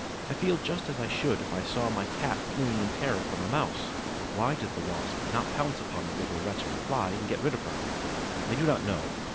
I feel just as I should if I saw my Cat fleeing in terror from a Mouse. Why does the Wasp not pounce upon the little wretch of a Fly and get rid of her? I do not know.